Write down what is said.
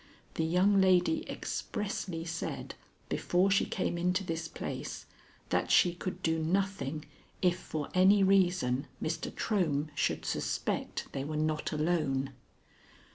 The young lady expressly said, before she came into this place, that she could do nothing if for any reason Mr. Trohm should suspect they were not alone."